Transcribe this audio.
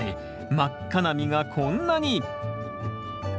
真っ赤な実がこんなに！